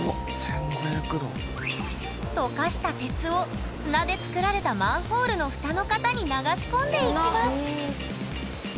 解かした鉄を砂で作られたマンホールの蓋の型に流し込んでいきます